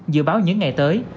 dự báo những ngày tới